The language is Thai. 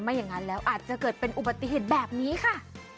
อย่างนั้นแล้วอาจจะเกิดเป็นอุบัติเหตุแบบนี้ค่ะ